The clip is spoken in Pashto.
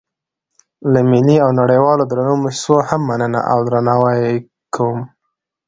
له ملي او نړیوالو درنو موسسو هم مننه او درناوی کوم.